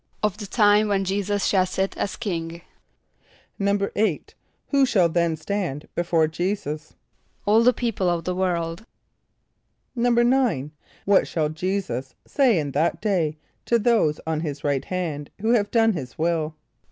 =Of the time when J[=e]´[s+]us shall sit as king.= =8.= Who shall then stand before J[=e]´[s+]us? =All the people of the world.= =9.= What shall J[=e]´[s+]us say in that day to those on his right hand, who have done his will?